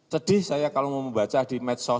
sedih saya kalau mau membaca di medsos